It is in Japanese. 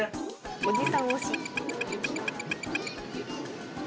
おじさん推し。